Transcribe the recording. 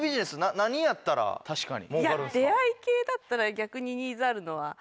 出会い系だったら逆にニーズあるのは。